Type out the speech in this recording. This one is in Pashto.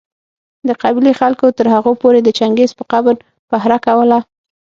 د قبېلې خلکو تر هغو پوري د چنګېز په قبر پهره کوله